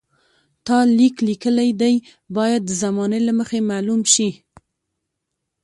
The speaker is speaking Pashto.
تا لیک لیکلی دی باید د زمانې له مخې معلوم شي.